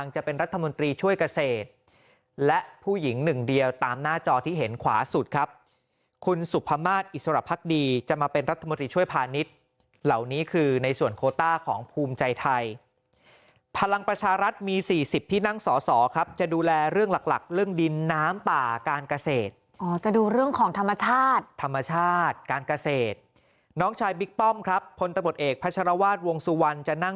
จอที่เห็นขวาสุดครับคุณสุภมาศอิสรภักดีจะมาเป็นรัฐมนตรีช่วยพานิทเหล่านี้คือในส่วนโคต้าของภูมิใจไทยพลังประชารัฐมี๔๐ที่นั่งสอครับจะดูแลเรื่องหลักเรื่องดินน้ำป่าการกระเศษจะดูเรื่องของธรรมชาติธรรมชา